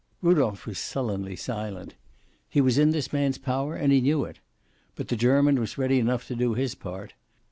Rudolph was sullenly silent. He was in this man's power, and he knew it. But the German was ready enough to do his part.